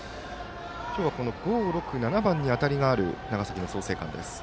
今日は５、６、７番に当たりがある長崎の創成館です。